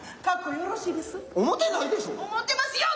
格好よろしいです。